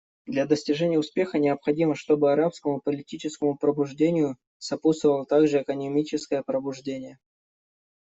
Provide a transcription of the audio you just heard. Для достижения успеха необходимо, чтобы арабскому политическому пробуждению сопутствовало также экономическое пробуждение.